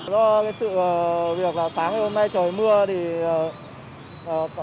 do sự việc sáng ngày hôm nay trời mưa